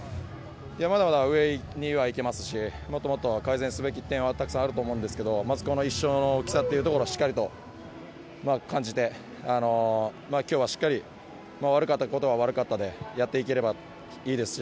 まだまだ上にはいけますしもっともっと改善すべき点はたくさんあると思いますがまずこの１勝の大きさをしっかりと感じて今日はしっかり悪かったことは悪かったでやっていければいいですし。